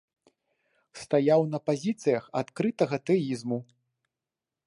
Стаяў на пазіцыях адкрытага тэізму.